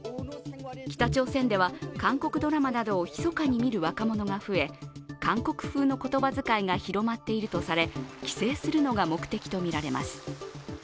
北朝鮮では韓国ドラマなどを密かに見る若者が増え韓国風の言葉遣いが広まっているとされ、規制するのが目的とみられます。